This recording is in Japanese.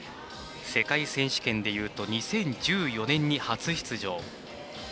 世界選手権でいうと２０１４年に初出場。